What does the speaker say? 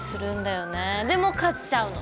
でも買っちゃうの。